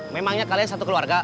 memangnya kalian satu keluarga